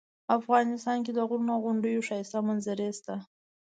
افغانستان کې د غرونو او غونډیو ښایسته منظرې شته